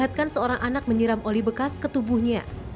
yang terlihatkan seorang anak menyiram oli bekas ke tubuhnya